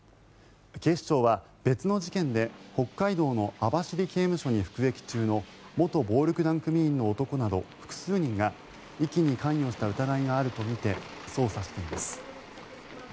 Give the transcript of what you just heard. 警視庁は、別の事件で北海道の網走刑務所に服役中の元暴力団組員の男など複数人が遺棄に関与した疑いがあるとみて捜査しています。